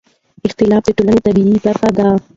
اختلاف د ټولنې طبیعي برخه ده